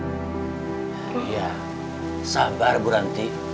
aduh ya sabar bu ranti